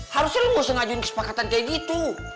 harusnya lu gak mau sengajuin kesepakatan kayak gitu